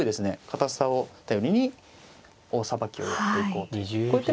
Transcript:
堅さを頼りに大さばきをやっていこうという。